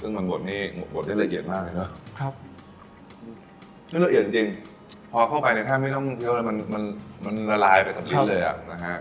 ครับชื่ระละเอียดจริงค่ะพอเข้าไปในท่านไม่ต้องบุงเที่ยวเลยมันมันมันละลายไปจักรหนี้เลยเฉพาะ